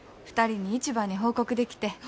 ２人に一番に報告できて。